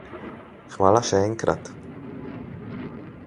Hvala še enkrat.